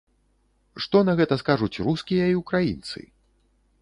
Што на гэта скажуць рускія і ўкраінцы?